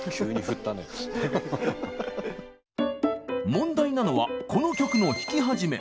問題なのはこの曲の弾き始め。